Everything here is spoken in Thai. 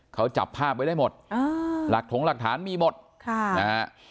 เขาจับภาพไว้ได้หมดอ่าหลักถงหลักฐานมีหมดค่ะนะฮะ